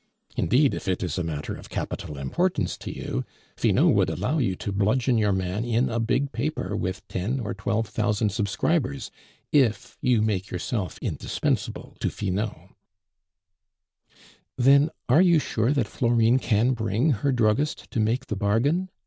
Indeed, if it is a matter of capital importance to you, Finot would allow you to bludgeon your man in a big paper with ten or twelve thousand subscribers, if you make yourself indispensable to Finot." "Then are you sure that Florine can bring her druggist to make the bargain?"